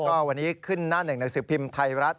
ก็วันนี้ขึ้นหน้าหนึ่งหนังสือพิมพ์ไทยรัฐ